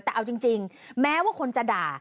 แต่เอาจริงแม้ว่าคนจะด่า